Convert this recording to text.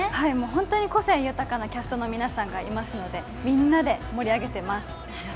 本当に個性豊かなキャストの皆さんがいますのでみんなで盛り上げてます。